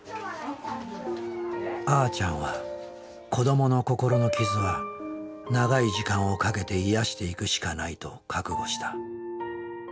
あーちゃんは子どもの心の傷は長い時間をかけて癒やしていくしかないと覚悟した。